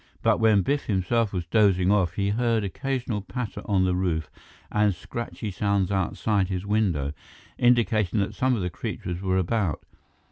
But when Biff himself was dozing off, he heard occasional patter on the roof and scratchy sounds outside his window, indicating that some of the creatures were about.